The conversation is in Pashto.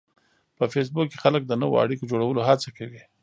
په فېسبوک کې خلک د نوو اړیکو جوړولو هڅه کوي